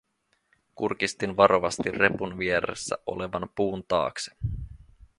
Kurkistin varovasti repun vieressä olevan puun taakse.